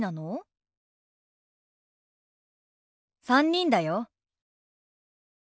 ３人だよ。